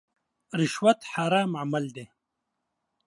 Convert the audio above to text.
رشوت حرام عمل دی.